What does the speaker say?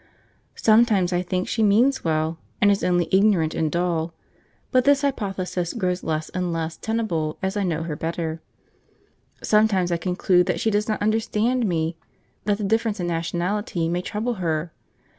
Sometimes I think she means well, and is only ignorant and dull; but this hypothesis grows less and less tenable as I know her better. Sometimes I conclude that she does not understand me; that the difference in nationality may trouble her.